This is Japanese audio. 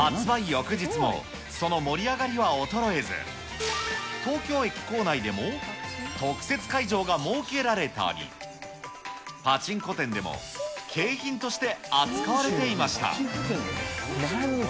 翌日も、その盛り上がりは衰えず、東京駅構内でも、特設会場が設けられたり、パチンコ店でも景品として扱われていました。